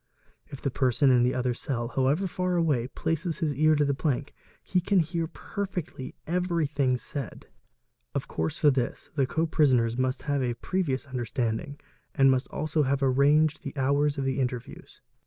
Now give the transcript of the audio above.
If the person in the other cell, however far away, places his ear to the plank, he can hear perfectly — everything'said. Of course for this the co prisoners must have a previous — understanding and must also have arranged the hours of the interviews.